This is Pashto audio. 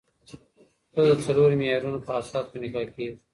ښځه د څلورو معيارونو په اساس په نکاح کيږي